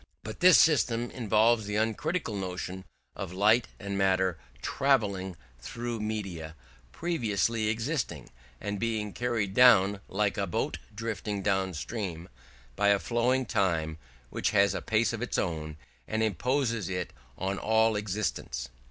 But this system involves the uncritical notion of light and matter travelling through media previously existing, and being carried down, like a boat drifting down stream, by a flowing time which has a pace of its own, and imposes it on all existence.